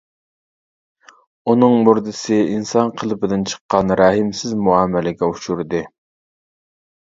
ئۇنىڭ مۇردىسى ئىنسان قېلىپىدىن چىققان رەھىمسىز مۇئامىلىگە ئۇچۇردى.